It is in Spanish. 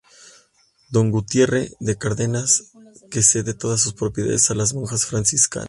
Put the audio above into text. Don Gutierre de Cárdenas que cede todas sus propiedades a las monjas franciscanas.